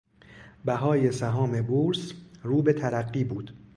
بهای سهام بورس رو به ترقی بود.